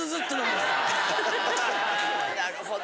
なるほど。